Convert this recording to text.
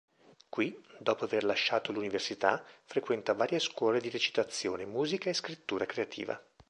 Qui, dopo aver lasciato l'Università, frequenta varie scuole di recitazione, musica e scrittura creativa.